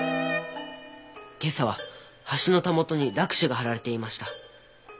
今朝は橋のたもとに落首が貼られていました。